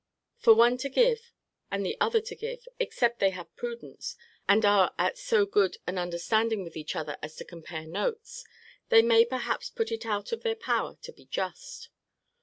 For one to give, and the other to give, except they have prudence, and are at so good an understanding with each other as to compare notes, they may perhaps put it out of their power to be just.